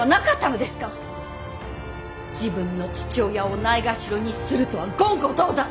自分の父親をないがしろにするとは言語道断！